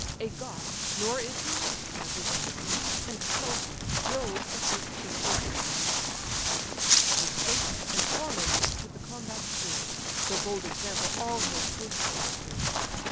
A god, nor is he less, my bosom warms, And tells me, Jove asserts the Trojan arms." He spoke, and foremost to the combat flew: The bold example all his hosts pursue.